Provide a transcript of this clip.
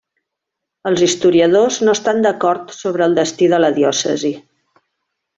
Els historiadors no estan d'acord sobre el destí de la diòcesi.